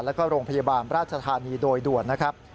แล้วก็โรงพยาบาลราชธานีโดยด่วนนะครับ